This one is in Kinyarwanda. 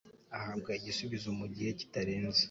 ahabwa igisubizo mu gihe kitarenze